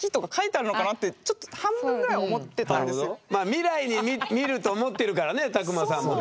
未来に見ると思ってるからね卓馬さんもね。